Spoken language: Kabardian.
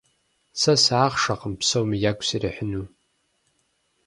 Сэ сыахъшэкъым псоми ягу срихьыну.